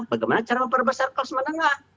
bagaimana cara memperbesar kelas menengah